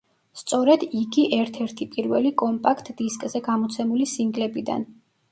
სწორედ იგი ერთ-ერთი პირველი კომპაქტ დისკზე გამოცემული სინგლებიდან.